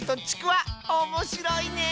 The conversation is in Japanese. おもしろいね！